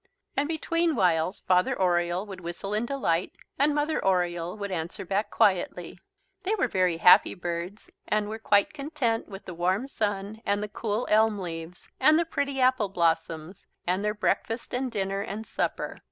And between whiles Father Oriole would whistle in delight and Mother Oriole would answer back quietly. They were very happy birds and were quite content with the warm sun and the cool elm leaves and the pretty apple blossoms and their breakfast and dinner and supper.